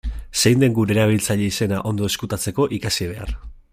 Zein den gure erabiltzaile-izena ondo ezkutatzeko, ikasi behar.